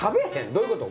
どういうこと？